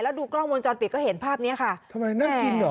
ดูกล้องวงจรปิดก็เห็นภาพเนี้ยค่ะทำไมนั่งกินเหรอ